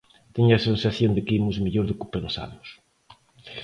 Teño a sensación de que imos mellor do que pensamos.